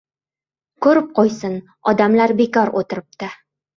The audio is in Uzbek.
Ko‘rib qo‘ysin! Odamlar bekor o‘tiribdi.